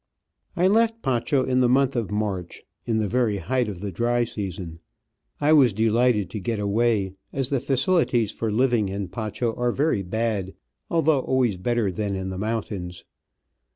I left Pacho in the month of March, in the very height of the dry season. I was delighted to get away, as the facilities for living in Pacho are very bad, although always better than in the mountains.